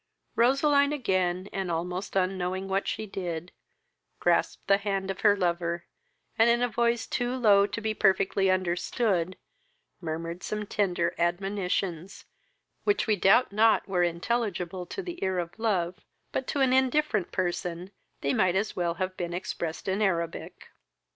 Roseline, again, and almost unknowing what she did, grasped the hand of her lover, and, in a voice too low to be perfectly understood, murmured some tender admonitions, which we doubt not were intelligible to the ear of love, but, to an indifferent person, they might as well have been expressed in Arabic.